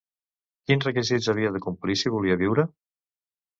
Quins requisits havia de complir si volia viure?